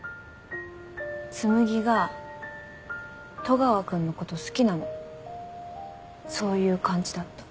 紬が戸川君のこと好きなのそういう感じだった。